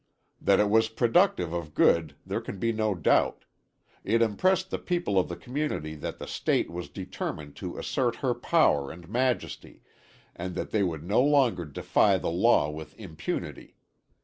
That it was productive of good there can be no doubt. It impressed the people of the community that the State was determined to assert her power and majesty, and that they would no longer defy the law with impunity.